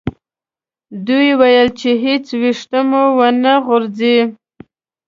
دوی وویل چې هیڅ ویښته مو و نه غورځي.